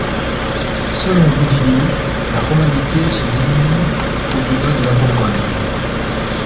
Selon Goudineau, la romanité se dilue au-delà de la Bourgogne.